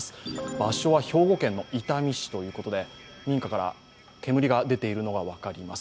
場所は兵庫県伊丹市ということで、民家から煙が出ているのが分かります。